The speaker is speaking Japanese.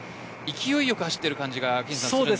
勢いよく走っている感じがします。